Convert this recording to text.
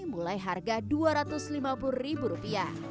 mulai harga rp dua ratus lima puluh